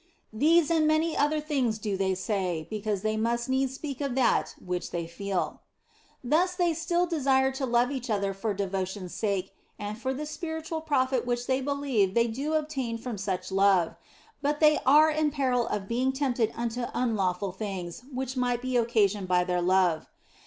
These and many other things do they say, because they must needs speak of that which they feel. Thus they still desire to love each other for devotion s sake and for the spiritual profit which they believe they do obtain from such love, but they are in peril of being tempted unto unlawful things which might be 122 THE BLESSED ANGELA occasioned by their love.